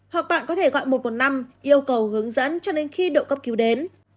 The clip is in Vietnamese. họ bạn có thể gọi một trăm một mươi năm yêu cầu hướng dẫn cho nên khi độ cấp cứu đến